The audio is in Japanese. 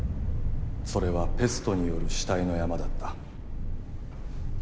それはペストによる死体の山だった。